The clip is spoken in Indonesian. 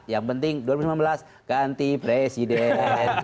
yang penting dua ribu sembilan belas ganti presiden